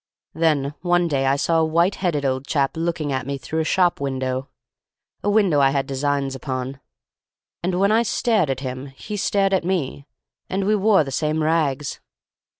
Then one day I saw a white headed old chap looking at me through a shop window—a window I had designs upon—and when I stared at him he stared at me—and we wore the same rags.